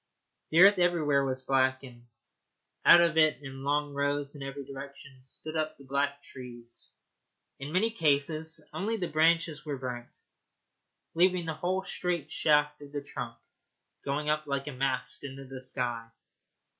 The earth everywhere was black, and out of it in long rows in every direction stood up the black trees. In many cases only the branches were burnt, leaving the whole straight shaft of the trunk going up like a mast into the sky.